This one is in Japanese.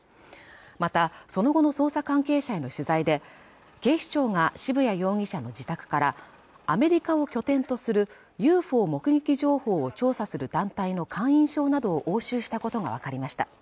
またその後の捜査関係者への取材で警視庁が渋谷容疑者の自宅からアメリカを拠点とするＵＦＯ目撃情報を調査する団体の会員証などを押収したことが分かりました